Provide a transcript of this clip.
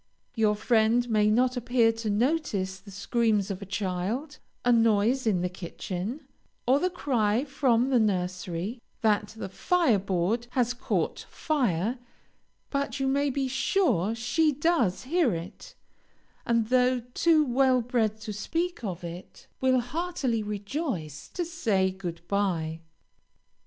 Your friend may not appear to notice the screams of a child, a noise in the kitchen, or the cry from the nursery that the fire board has caught fire, but you may be sure she does hear it, and though too well bred to speak of it, will heartily rejoice to say good bye.